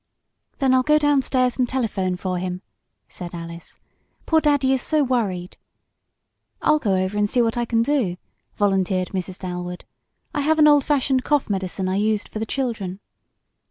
"Then I'll go downstairs and telephone for him," said Alice. "Poor daddy is so worried." "I'll go over and see what I can do," volunteered Mrs. Dalwood. "I have an old fashioned cough medicine I used for the children."